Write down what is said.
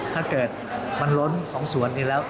ถ้าเกิดมันล้นของสวนนี้แล้ว